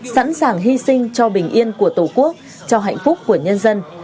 sẵn sàng hy sinh cho bình yên của tổ quốc cho hạnh phúc của nhân dân